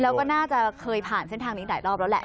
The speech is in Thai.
แล้วก็น่าจะเคยผ่านเส้นทางนี้หลายรอบแล้วแหละ